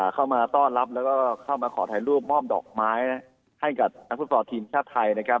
ก็เข้ามาขอถ่ายรูปม่อมดอกไม้ให้กับนักฟุตรฟอร์ทีมชาติไทยนะครับ